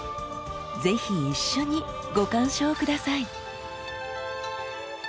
ぜひ一緒にご鑑賞下さい。